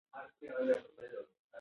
بدن خپله د تندې له لارې اشاره ورکوي.